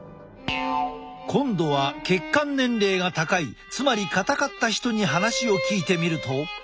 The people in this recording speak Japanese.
今度は血管年齢が高いつまり硬かった人に話を聞いてみると。